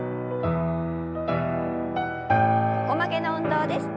横曲げの運動です。